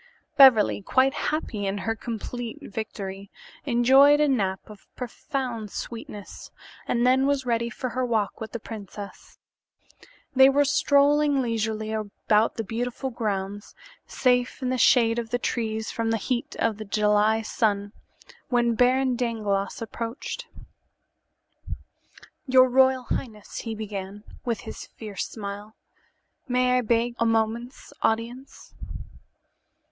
Beverly, quite happy in her complete victory, enjoyed a nap of profound sweetness and then was ready for her walk with the princess. They were strolling leisurely about the beautiful grounds, safe in the shade of the trees from the heat of the July sun, when Baron Dangloss approached. "Your royal highness," he began, with his fierce smile, "may I beg a moment's audience?"